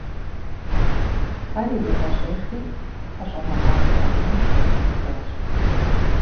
Ар иригъэжьэжри, ХьэщӀэмыгъашхэ унэм щӀэлъэдэжащ.